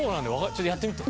ちょっとやってみて。